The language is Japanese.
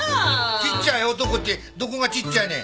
ちっちゃい男ってどこがちっちゃいねん。